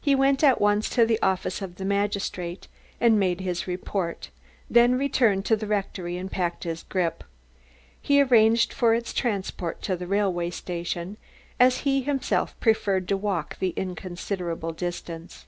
He went at once to the office of the magistrate and made his report, then returned to the rectory and packed his grip. He arranged for its transport to the railway station, as he himself preferred to walk the inconsiderable distance.